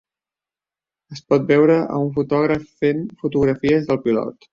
Es pot veure a un fotògraf fent fotografies del pilot.